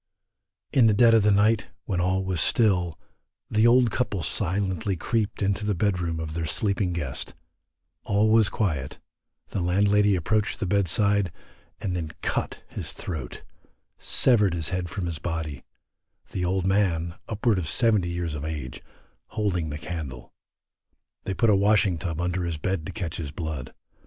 In the dead of the night, when all was still, the old couple silently creaped into the bed room of their sleeping guest, all was quiet: the landlady approached the bedside, and then cut his throat, severed his head from his body; the old man, upwards of seventy years of age, holding the candle. They put a washing tub under the bed to catch his blood.